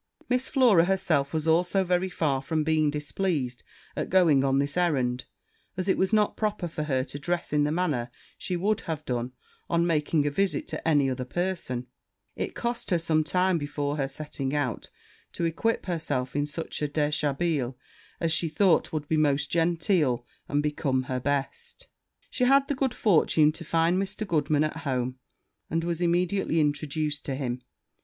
Miss Flora herself was also very far from being displeased at going on this errand; and as it was not proper for her to dress in the manner she would have done on making a visit to any other person, it cost her some time, before her setting out, to equip herself in such a deshabille as she thought would be most genteel and become her best. She had the good fortune to find Mr. Goodman at home, and was immediately introduced to him.